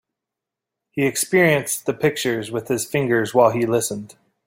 He experienced the pictures with his fingers while he listened.